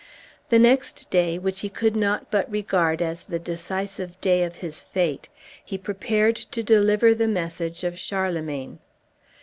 The next day, which he could not but regard as the decisive day of his fate, he prepared to deliver the message of Charlemagne.